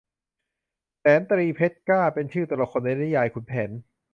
แสนตรีเพชรกล้า เป็นชื่อตัวละครในนิยายขุนแผน